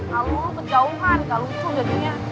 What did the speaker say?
lalu kejauhan gak lucu jadinya